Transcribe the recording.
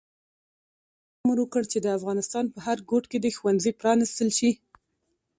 پاچا امر وکړ چې د افغانستان په هر ګوټ کې د ښوونځي پرانستل شي.